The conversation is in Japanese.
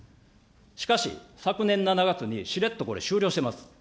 しかし昨年７月に、しれっとこれ終了しています。